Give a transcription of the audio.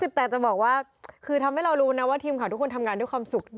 แต่จะบอกว่าคือทำให้เรารู้นะว่าทีมข่าวทุกคนทำงานด้วยความสุข